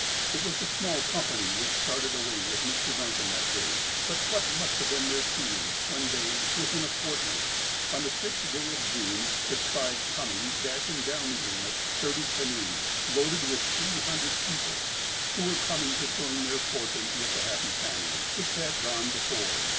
It was a small company which started away with Mr. Duncan that day, but what must have been their feelings when they, within a fortnight, on the 6th day of June, espied coming dashing down the inlet thirty canoes, loaded with three hundred people, who were coming to join their fortunes with the happy family, which had gone before.